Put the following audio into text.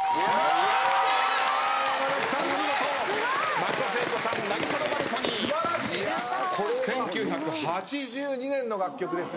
松田聖子さん『渚のバルコニー』１９８２年の楽曲ですが。